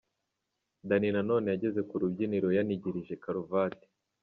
Danny Nanone yageze k'urubyiniro yanigirije karuvati.